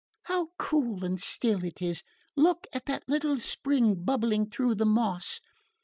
"How cool and still it is! Look at that little spring bubbling through the moss.